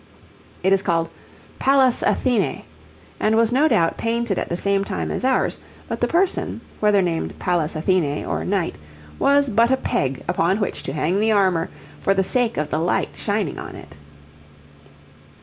It is called 'Pallas Athene,' and was no doubt painted at the same time as ours; but the person, whether named Pallas Athene or knight, was but a peg upon which to hang the armour for the sake of the light shining on it.